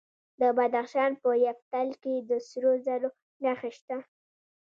د بدخشان په یفتل کې د سرو زرو نښې شته.